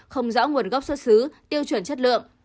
không rõ nguồn gốc xuất xứ tiêu chuẩn chất lượng